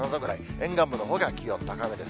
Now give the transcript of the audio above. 沿岸部のほうが気温高めです。